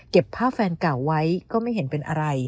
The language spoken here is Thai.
ภาพแฟนเก่าไว้ก็ไม่เห็นเป็นอะไร